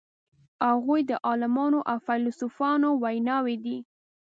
هغوی د عالمانو او فیلسوفانو ویناوی دي.